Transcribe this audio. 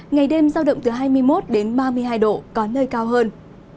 ngày đêm giao động từ hai mươi một đến ba mươi hai độ có nơi cao hơn